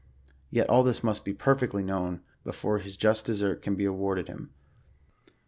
Yet all this must be perfectly known, before his just desert can be awarded him.